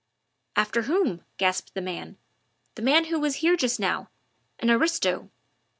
"After whom?" gasped the man. "The man who was here just now an aristo."